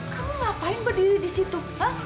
kamu ngapain berdiri di situ pak